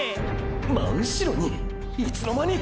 真後ろに⁉いつの間に！！